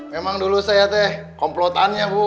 memang dulu saya teh komplotannya bu